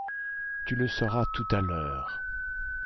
Tu le sauras tout à l’heure.